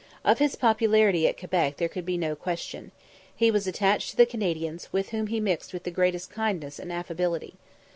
Of his popularity at Quebec there could be no question. He was attached to the Canadians, with whom he mixed with the greatest kindness and affability.